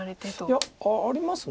いやあります。